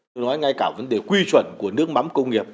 tôi nói ngay cả vấn đề quy chuẩn của nước mắm công nghiệp